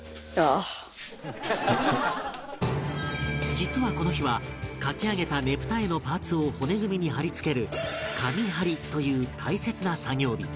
実はこの日は描き上げたねぷた絵のパーツを骨組みに貼り付ける紙貼りという大切な作業日